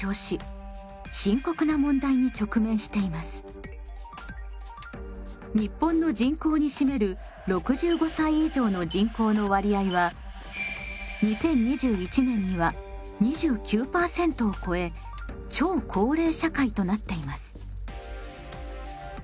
今日本の人口に占める６５歳以上の人口の割合は２０２１年には２９％を超え超高齢社会となっています。